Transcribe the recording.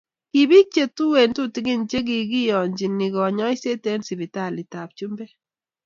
ki biik chetuen tutikin chekikiyonchi kanyoiset eng sipitalitab chumbek